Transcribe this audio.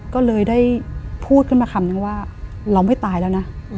ก็เลยได้พูดขึ้นมาคำนึงว่าเราไม่ตายแล้วนะ